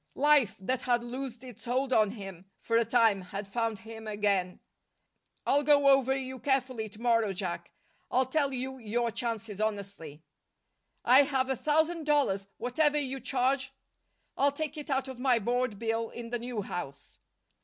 Life, that had loosed its hold on him for a time, had found him again. "I'll go over you carefully to morrow, Jack. I'll tell you your chances honestly." "I have a thousand dollars. Whatever you charge " "I'll take it out of my board bill in the new house!"